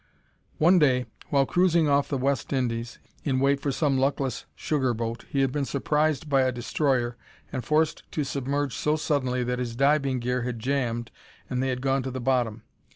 One day, while cruising off the West Indies, in wait for some luckless sugar boat, he had been surprised by a destroyer and forced to submerge so suddenly that his diving gear had jammed and they had gone to the bottom.